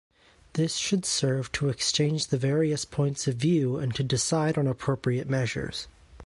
This should serve to exchange the various points of view and to decide on appropriate measures.